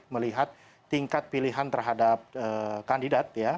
melihat tingkat pilihan terhadap kandidat ya